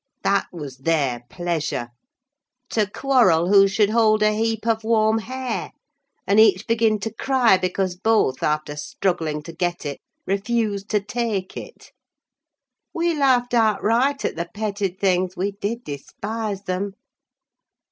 That was their pleasure! to quarrel who should hold a heap of warm hair, and each begin to cry because both, after struggling to get it, refused to take it. We laughed outright at the petted things; we did despise them!